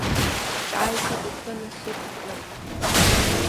Ҿааиҭит ихы насықәкны.